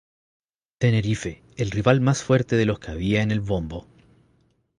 Tenerife, el rival más fuerte de los que había en el bombo.